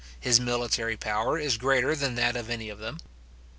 His military power is greater than that of any of them.